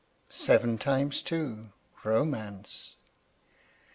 SEVEN TIMES TWO. ROMANCE.